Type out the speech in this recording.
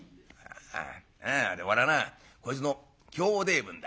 なあ俺はなこいつの兄弟分だ。